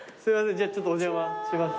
じゃあちょっとお邪魔します。